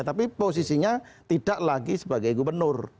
tapi posisinya tidak lagi sebagai gubernur